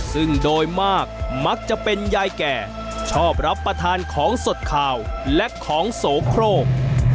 ซึ่งโดยมากมักจะเป็นยายแก่ชอบรับประทานของสดขาวและของโสโครก